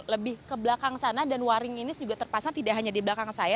lebih ke belakang sana dan waring ini juga terpasang tidak hanya di belakang saya